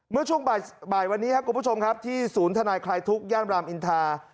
เมื่อช่วงบ่ายวันนี้ครับคุณผู้ชมครับที่ศูนย์ธนายคลายทุกข์ย่านรามอินทา